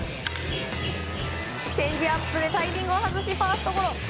チェンジアップでタイミングを外しファーストゴロ。